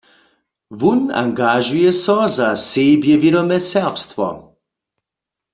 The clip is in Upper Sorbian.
Wón angažuje so za sebjewědome Serbstwo.